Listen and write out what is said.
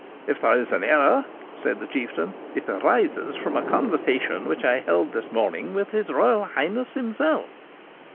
'If there is an error,' said the Chieftain, 'it arises from a conversation which I held this morning with his Royal Highness himself.'